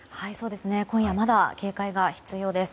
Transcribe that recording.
今夜まだ警戒が必要です。